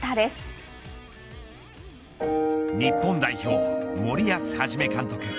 日本代表森保一監督。